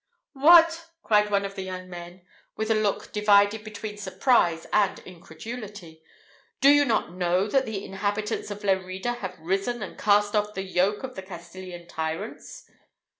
"What!" cried one of the young men, with a look divided between surprise and incredulity; "do you not know that the inhabitants of Lerida have risen, and cast off the yoke of the Castilian tyrants?